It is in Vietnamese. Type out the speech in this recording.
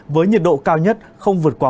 với nhiệt độ cao nhất không vượt qua